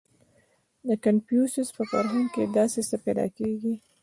• د کنفوسیوس په فرهنګ کې داسې څه پیدا کېږي.